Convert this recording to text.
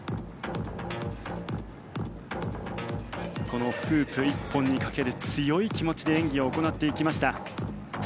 このフープ１本にかける強い気持ちで演技を行っていきました。